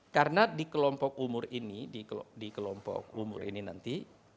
karena di kelompok umur ini nanti